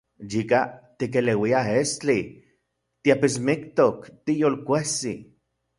Yika tikeleuia estli, tiapismiktok, tiyolkuejsi.